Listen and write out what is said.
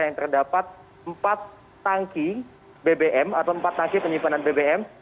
dan terdapat empat tangki bbm atau empat tangki penyimpanan bbm